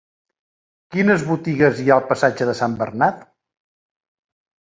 Quines botigues hi ha al passatge de Sant Bernat?